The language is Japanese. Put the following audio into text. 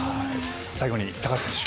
最後に、高橋選手。